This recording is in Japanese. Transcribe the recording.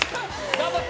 頑張って。